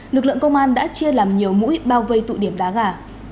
lực lượng công an đã chia làm nhiều mũi bao vây tụ điểm đá gà